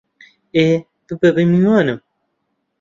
ئێ، ببە بە میوانم!